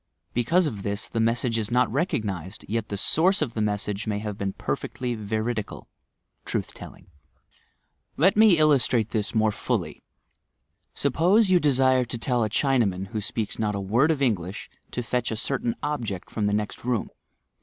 Because of this, the mes sage is not recognized, yet the source of the message may have been perfectly veridical (truth telling). exampijes op stubolisu "Let me illustrate this more fully. Suppose you de sire to tell a Chinaman, who speaks not a word of Eng lish, to fetch a certain object from the nest room.